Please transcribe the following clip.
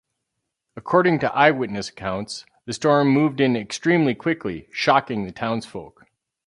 According to eyewitness accounts, the storm moved in extremely quickly, shocking the townsfolk.